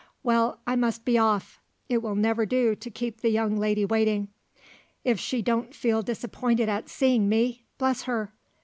Well, I must be off! It will never do to keep the young lady waiting. If she don't feel disappointed at seeing me, bless her!